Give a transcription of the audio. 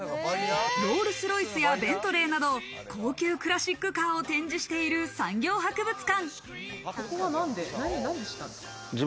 ロールス・ロイスやベントレーなど高級クラシックカーを展示している産業博物館。